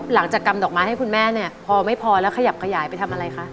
หลังจากกำดอกไม้ให้คุณแม่พอไม่พอแล้วขยับขยายไปทำอะไรคะ